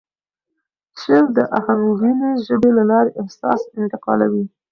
شعر د آهنګینې ژبې له لارې احساس انتقالوي.